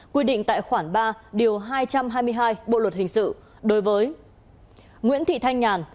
quy định tại khoản ba điều hai trăm hai mươi hai bộ luật hình sự đối với nguyễn thị thanh nhàn